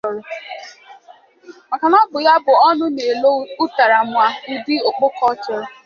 maka na ọ bụ ya bụ ọnụ na-elo ụtara ma ụdị okpoko ọ chọrọ.